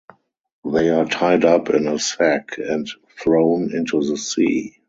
They are tied up in a sack and thrown into the sea.